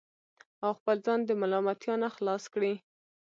او خپل ځان د ملامتیا نه خلاص کړي